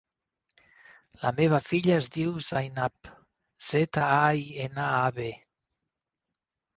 La meva filla es diu Zainab: zeta, a, i, ena, a, be.